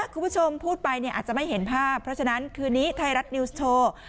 คุณผู้ชมพูดไปเนี่ยอาจจะไม่เห็นภาพเพราะฉะนั้นคืนนี้ไทยรัฐนิวส์โชว์